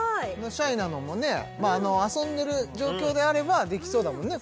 シャイなのもね遊んでる状況であればできそうだもんね